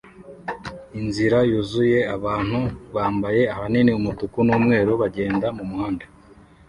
Inzira yuzuye abantu bambaye ahanini umutuku n'umweru bagenda mumuhanda